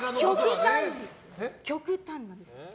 極端なんです。